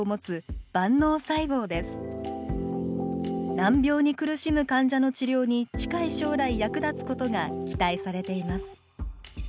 難病に苦しむ患者の治療に近い将来役立つことが期待されています